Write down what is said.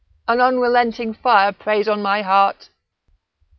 an unrelenting fire preys on my heart."